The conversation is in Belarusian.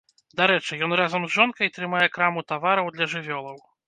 Дарэчы, ён разам з жонкай трымае краму тавараў для жывёлаў.